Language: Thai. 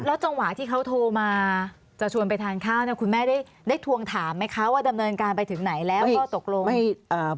จังหวะที่เขาโทรมาจะชวนไปทานข้าวเนี่ยคุณแม่ได้ได้ทวงถามไหมคะว่าดำเนินการไปถึงไหนแล้วก็ตกลง